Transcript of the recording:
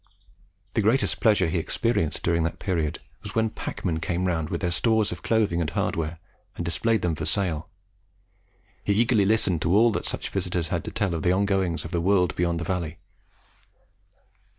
The greatest pleasure he experienced during that period was when packmen came round with their stores of clothing and hardware, and displayed them for sale; he eagerly listened to all that such visitors had to tell of the ongoings of the world beyond the valley.